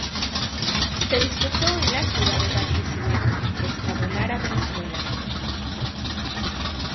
Se disputó en la ciudad de Barquisimeto, Estado Lara, Venezuela.